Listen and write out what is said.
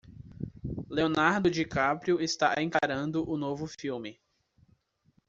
Leonardo DiCaprio está encarando o novo filme.